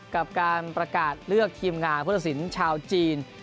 กับการประกาศเลือกทีมงานพุทธศิลป์ชาวจีน